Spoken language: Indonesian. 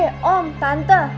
iya deh om tante